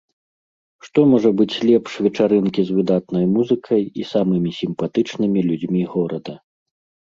Што можа быць лепш вечарынкі з выдатнай музыкай і самымі сімпатычнымі людзьмі горада?